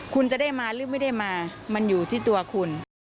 คุณจะได้มาหรือไม่ได้มามันอยู่ที่ตัวคุณ